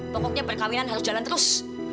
pokoknya perkawinan harus jalan terus